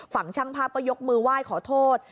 ฝั่งช่างภาพก็ยกมือไหว้ขอโทษ